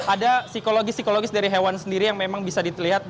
ada psikologi psikologis dari hewan sendiri yang memang bisa dilihat